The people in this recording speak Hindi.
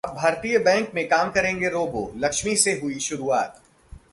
अब भारतीय बैंक में काम करेंगे रोबोट, लक्ष्मी से हुई शुरुआत